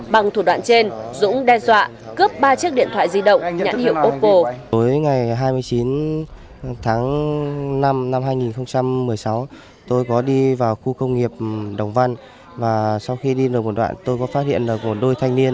bằng thủ đoạn trên dũng đe dọa cướp ba chiếc điện thoại di động nhãn hiệu opple